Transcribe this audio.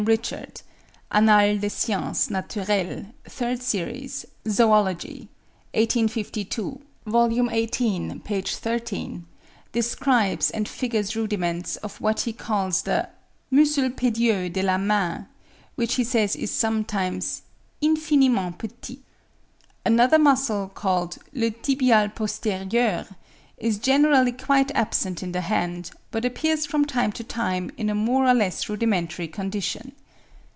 Richard ('Annales des Sciences Nat.,' 3rd series, Zoolog. 1852, tom. xviii. p. 13) describes and figures rudiments of what he calls the "muscle pedieux de la main," which he says is sometimes "infiniment petit." Another muscle, called "le tibial posterieur," is generally quite absent in the hand, but appears from time to time in a more or less rudimentary condition.)